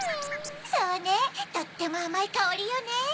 そうねとってもあまいかおりよね。